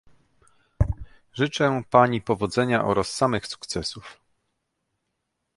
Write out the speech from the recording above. Życzę pani powodzenia oraz samych sukcesów